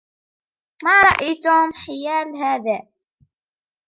ما رأي توم حيال هذا؟